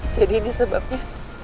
jadi ini sebabnya